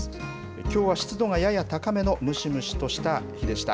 きょうは湿度がやや高めのムシムシとした日でした。